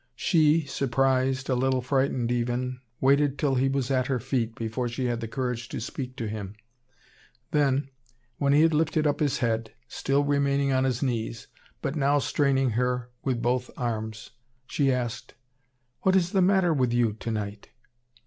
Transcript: She, surprised, a little frightened even, waited till he was at her feet before she had the courage to speak to him; then, when he had lifted up his head, still remaining on his knees, but now straining her with both arms, she asked: "What is the matter with you, to night?"